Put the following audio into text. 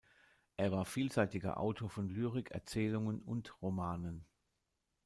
Er war vielseitiger Autor von Lyrik, Erzählungen und Romanen.